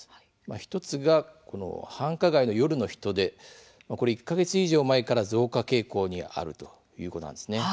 １つは繁華街の夜の人出１か月以上前から増加傾向にあるということです。